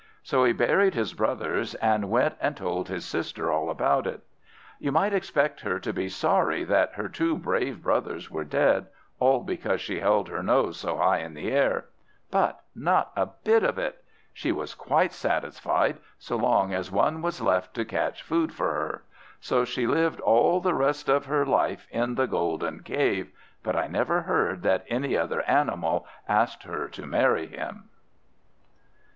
So he buried his brothers, and went and told his sister all about it. You might expect her to be sorry that her two brave brothers were dead, all because she held her nose so high in the air; but not a bit of it; she was quite satisfied so long as one was left to catch food for her. So she lived all the rest of her life in the Golden Cave, but I never heard that any other animal asked her to marry him.